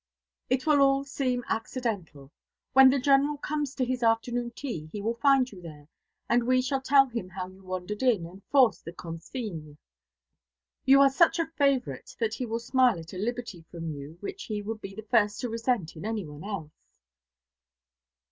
It will all seem accidental. When the General comes to his afternoon tea, he will find you there, and we shall tell him how you wandered in, and forced the consigne. You are such a favourite that he will smile at a liberty from you which he would be the first to resent in any one else."